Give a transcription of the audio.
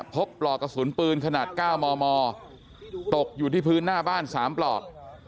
ปลอกกระสุนปืนขนาด๙มมตกอยู่ที่พื้นหน้าบ้าน๓ปลอก